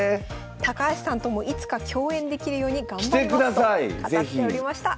高橋さんともいつか共演できるように頑張りますと語っておりました。